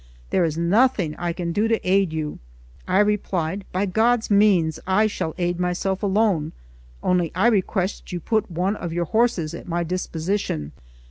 There is nothing I can do to aid you!" I replied: "By God's means, I shall aid myself alone; only I request you to put one of your horses at my disposition."